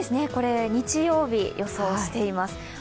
日曜日、予想しています。